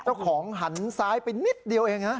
เจ้าของหันซ้ายไปนิดเดียวเอง